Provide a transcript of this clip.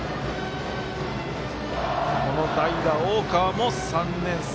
この代打、大川も３年生。